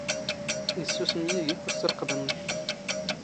ⵉⵙⵙⵓⵙⵎ ⵉⵢⵉ ⴳⵉⴽ ⵓⵙⵙⵔⵇⵇⴱ ⵏⵏⴽ.